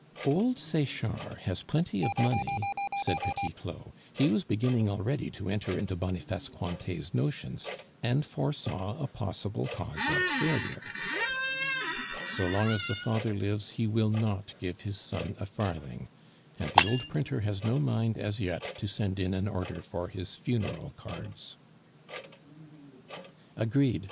"Old Sechard has plenty of money," said Petit Claud. He was beginning already to enter into Boniface Cointet's notions, and foresaw a possible cause of failure. "So long as the father lives, he will not give his son a farthing; and the old printer has no mind as yet to send in an order for his funeral cards." "Agreed!"